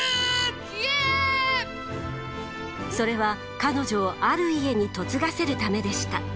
それは彼女をある家に嫁がせるためでした。